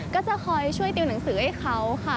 ก็ช่วยช่วยตื้อหนังสือไว้เขา